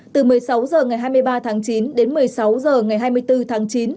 từ một mươi sáu h ngày hai mươi ba tháng chín đến một mươi sáu h ngày hai mươi bốn tháng chín